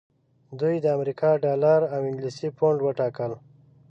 دوی د امریکا ډالر او انګلیسي پونډ وټاکل.